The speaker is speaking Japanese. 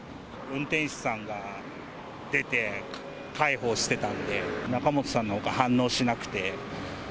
運転手さんが出て、介抱してたんで、仲本さんのほうは反応しなくて。